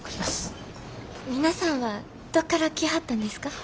皆さんはどっから来はったんですか？